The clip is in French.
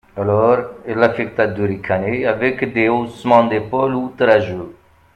Alors, il affecta de ricaner, avec des haussements d'épaules outrageux.